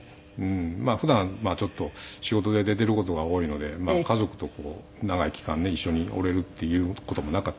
まあ普段ちょっと仕事で出ている事が多いので家族と長い期間ね一緒におれるっていう事もなかったし。